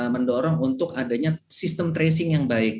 mendorong untuk adanya sistem tracing yang baik